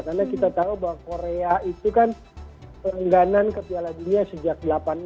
karena kita tahu bahwa korea itu kan perengganan ke piala dunia sejak seribu sembilan ratus delapan puluh enam